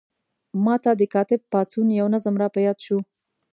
ما ته د کاتب پاڅون یو نظم را په یاد شو.